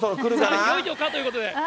いよいよかということで。